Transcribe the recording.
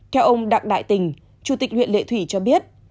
theo ông đặng đại tình chủ tịch huyện lệ thủy cho biết